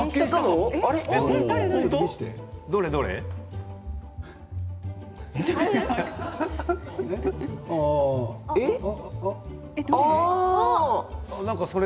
どれどれ？